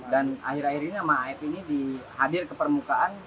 dan akhir akhir ini sama aef ini di hadir ke permukaan